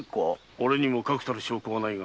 俺にも確たる証拠がないが。